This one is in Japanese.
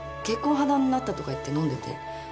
結婚破談になったとかいって飲んでて。